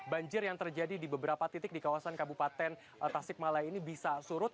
banjir yang terjadi di beberapa titik di kawasan kabupaten tasik malaya ini bisa surut